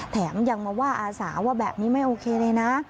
แถมยังมาว่าอาสาว่าแบบนี้ไม่โอเคเลยนะ